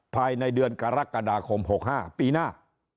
ภายในเดือนกรกฎาคม๖๕ปีหน้า